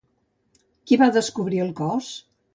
Qui va descobrir el cos?